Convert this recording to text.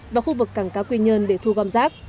và khu vực cảng cá quy nhơn để thu gom rác